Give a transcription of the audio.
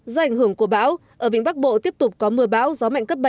do ảnh hưởng của bão ở vĩnh bắc bộ tiếp tục có mưa bão gió mạnh cấp bảy